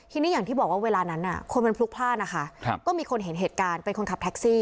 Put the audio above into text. ทีนี้อย่างที่บอกว่าเวลานั้นคนมันพลุกพลาดนะคะก็มีคนเห็นเหตุการณ์เป็นคนขับแท็กซี่